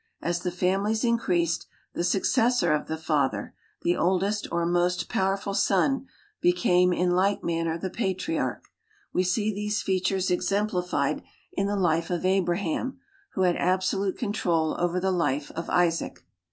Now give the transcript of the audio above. As the families increased, the successor of the father, the oldest or most powerful son, became in like manner the patriarch. We see these feat ures exemplified in the life of Abraham, who had absolute control over the life of Isaac.